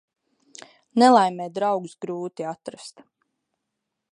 Nelaimē draugus grūti atrast.